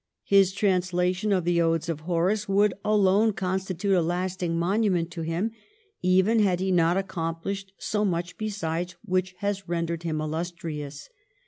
His translation of the Odes of Hor ace would alone constitute a lasting monument to him even had he not accomplished so much be sides which has rendered him illustrious.